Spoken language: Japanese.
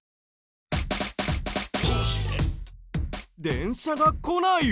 電車が来ない踏切？